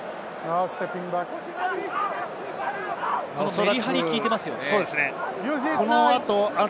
メリハリが効いていますよね。